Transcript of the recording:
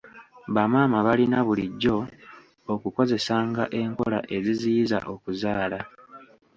Bamaama balina bulijo okukozesanga enkola eziziyiza okuzaala.